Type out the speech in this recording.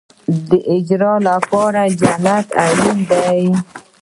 د اجر لپاره جنت اړین دی